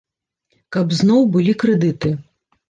Каб зноў былі крэдыты.